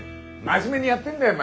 真面目にやってんだよ